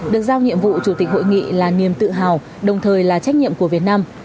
được giao nhiệm vụ chủ tịch hội nghị là niềm tự hào đồng thời là trách nhiệm của việt nam